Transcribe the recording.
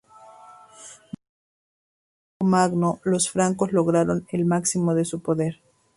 Bajo Carlomagno los francos lograron el máximo de su poder.